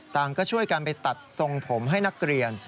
ก็ช่วยกันไปตัดทรงผมให้นักเรียน